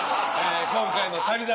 今回の『旅猿』